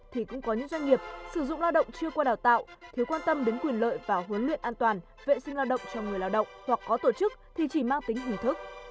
thì cũng có những doanh nghiệp sử dụng lao động chưa qua đào tạo thiếu quan tâm đến quyền lợi và huấn luyện an toàn vệ sinh lao động cho người lao động hoặc có tổ chức thì chỉ mang tính hình thức